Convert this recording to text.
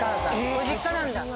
ご実家なんだ。